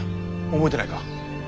覚えてないか？